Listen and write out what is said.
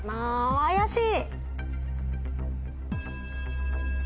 怪しい？